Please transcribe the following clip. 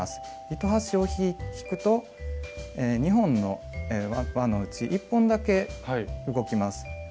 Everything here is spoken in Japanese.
糸端を引くと２本の輪のうち１本だけ動きます。